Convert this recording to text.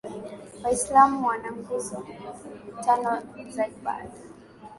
waislamu wana nguzo tano za ibada